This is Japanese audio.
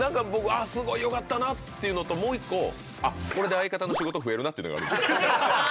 すごいよかったなってことと、もう１個、これで相方の仕事が増えるなというのがありました。